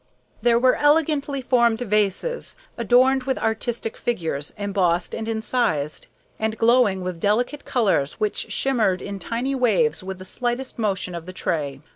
There were elegantly formed vases, adorned with artistic figures, embossed and incised, and glowing with delicate colors which shimmered in tiny waves with the slightest motion of the tray.